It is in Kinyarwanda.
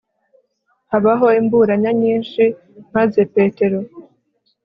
habaho imburanya nyinshi maze petero